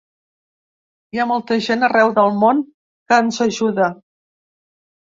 Hi ha molta gent arreu del món que ens ajuda.